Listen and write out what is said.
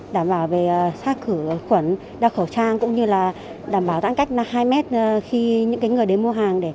đảm bảo về xác khử khuẩn đa khẩu trang cũng như là đảm bảo giãn cách hai m khi những người đến mua hàng